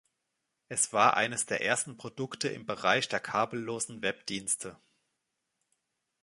Es war eines der ersten Produkte im Bereich der kabellosen Webdienste.